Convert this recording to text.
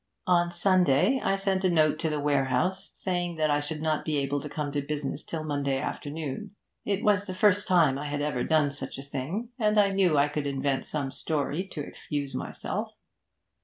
'On Sunday I sent a note to the warehouse, saying that I should not be able to come to business till Monday afternoon. It was the first time I had ever done such a thing, and I knew I could invent some story to excuse myself.